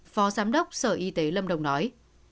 phó giám đốc sở y tế lâm đồng nói